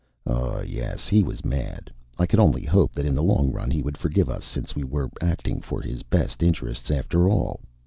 Oh, yes, he was mad. I could only hope that in the long run he would forgive us, since we were acting for his best interests, after all.